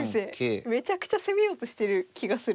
めちゃくちゃ攻めようとしてる気がする。